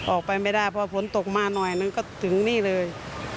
ออกไปไม่ได้เพราะฝนตกมาหน่อยนึงก็ถึงนี่เลย